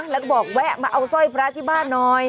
แล้วก็บอกแวะมาเอาสร้อยพระที่บ้านหน่อย